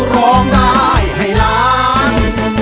ร้องได้ให้ล้าน